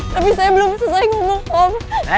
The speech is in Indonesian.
tapi saya belum selesai ngomong om